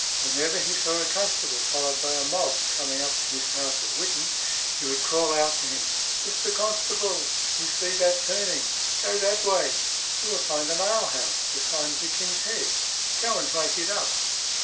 Whenever he saw a constable, followed by a mob, coming up to his house at Whitton, he would call out to him, "Mr. Constable, you see that turning; go that way; you will find an ale house, the sign of the King's Head: go and make it up."